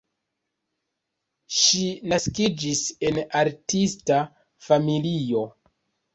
Ŝi naskiĝis en artista familio.